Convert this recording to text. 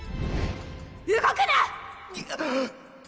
動くな！